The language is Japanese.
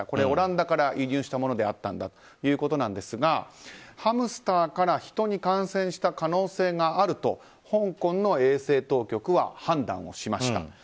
オランダから輸入したものだったということなんですがハムスターからヒトに感染した可能性があると香港の衛生当局は判断しました。